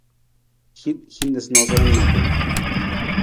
Hin noosanoosa nijanu.